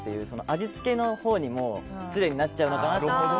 味付けのほうにも失礼にもなっちゃうのかなと。